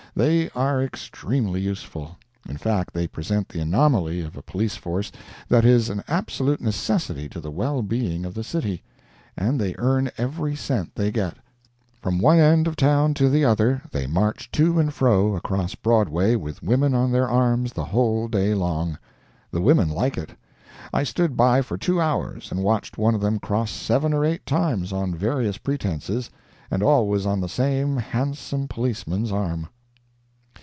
They are extremely useful—in fact, they present the anomaly of a police force that is an absolute necessity to the well being of the city, and they earn every cent they get. From one end of town to the other they march to and fro across Broadway with women on their arms the whole day long. The women like it. I stood by for two hours and watched one of them cross seven or eight times on various pretences, and always on the same handsome policeman's arm.